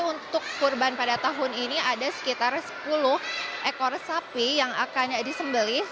untuk kurban pada tahun ini ada sekitar sepuluh ekor sapi yang akan disembelih